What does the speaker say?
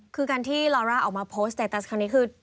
คือการที่ลอร่าออกมาโพสต์เตตัสครั้งนี้คือ